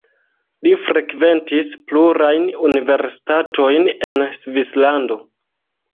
Li frekventis plurajn universitatojn en Svislando.